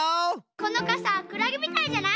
このかさクラゲみたいじゃない？